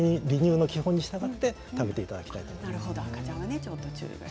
離乳の基本に従って食べていただきたいと思います。